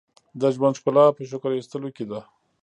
• د ژوند ښکلا په شکر ایستلو کې ده.